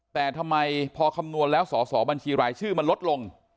แต่ทำไมพอคำนวณแล้วสอสอบัญชีรายชื่อมันลดลง